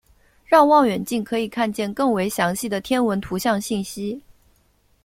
让望远镜可以看见更为详细的天文图像信息。